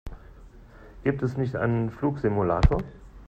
Gibt es nicht einen Flugsimulator?